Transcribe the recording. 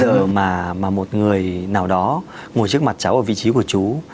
giờ mà một người nào đó ngồi trước mặt cháu ở vị trí của chú